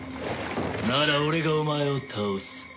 なら俺がお前を倒す。